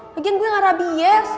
lagian gue gak rabies